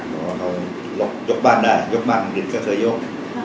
บอกว่าเขายกบ้านได้ยกบ้านเด็กก็เคยยก